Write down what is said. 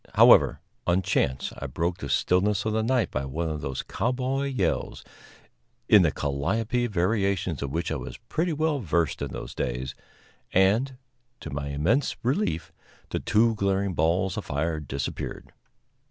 However, on chance, I broke the stillness of the night by one of those cowboy yells, in the calliope variations of which I was pretty well versed in those days, and, to my immense relief, the two glaring balls of fire disappeared.